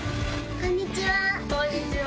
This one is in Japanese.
こんにちは。